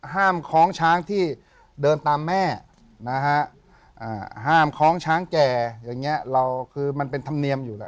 คล้องช้างที่เดินตามแม่นะฮะห้ามคล้องช้างแก่อย่างนี้เราคือมันเป็นธรรมเนียมอยู่แหละ